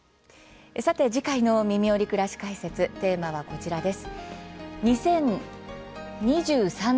さて次回の「みみより！くらし解説」テーマはこちらです。